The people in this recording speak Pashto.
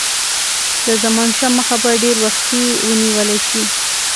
د زمانشاه مخه باید ډېر وختي ونیوله شي.